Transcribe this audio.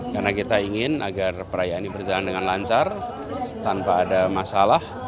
karena kita ingin agar perayaan ini berjalan dengan lancar tanpa ada masalah